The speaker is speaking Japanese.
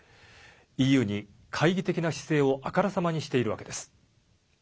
ＥＵに懐疑的な姿勢をあからさまにしているわけです。